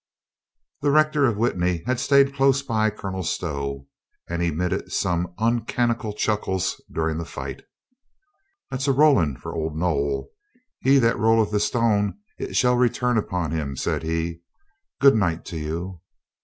The rector of Witney had stayed close by Colonel Stow and emitted some uncanonical chuckles during the fight "That's a Roland for old Noll. He that roUeth a stone, it shall return upon him," said he. "Good night to you."